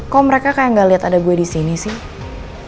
kok mereka kayak gak liat ada gue di sini sih